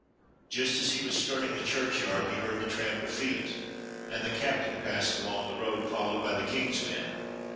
Just as he was skirting the churchyard he heard the tramp of feet, and the captain passed along the road, followed by the King's men.